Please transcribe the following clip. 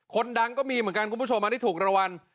คนดังก็มีเหมือนกันคุณผู้ชมอันนี้ถูกรวรรวรรณ